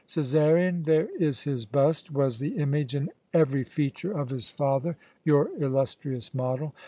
Cæsarion there is his bust was the image in every feature of his father, your illustrious model.